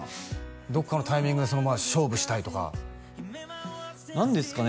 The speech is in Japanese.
どっかのタイミングで勝負したいとか何ですかね